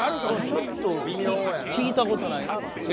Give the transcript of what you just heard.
ちょっと聞いたことないなっていう。